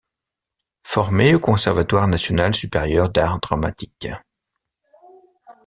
Formé au Conservatoire national supérieur d'art dramatique.